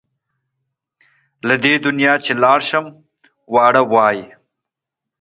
له دې دنیا چې لاړ شم واړه وايي.